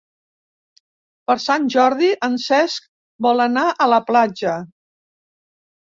Per Sant Jordi en Cesc vol anar a la platja.